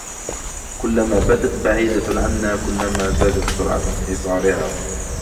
كلما بدت بعيدة عنا كلما زادت سرعة انحسارها